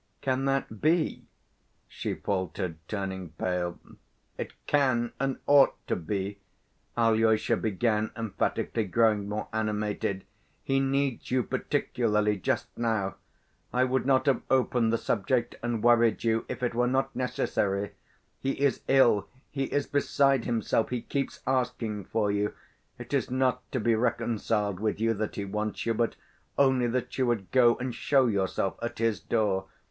Can that be?" she faltered, turning pale. "It can and ought to be!" Alyosha began emphatically, growing more animated. "He needs you particularly just now. I would not have opened the subject and worried you, if it were not necessary. He is ill, he is beside himself, he keeps asking for you. It is not to be reconciled with you that he wants you, but only that you would go and show yourself at his door.